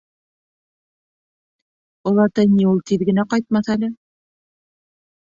- Олатай ни ул тиҙ генә ҡайтмаҫ әле.